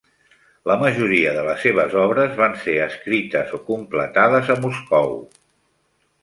La majoria de les seves obres van ser escrites o completades a Moscou.